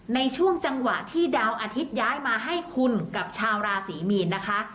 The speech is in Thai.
ในช่วงจังหวะที่ดาวอาทิตย้ายมาให้คุณกับชาวราศรีมีนนะคะ